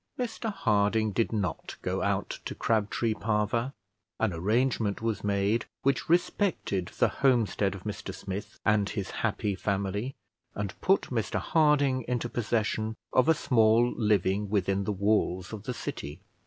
Mr Harding did not go out to Crabtree Parva. An arrangement was made which respected the homestead of Mr Smith and his happy family, and put Mr Harding into possession of a small living within the walls of the city.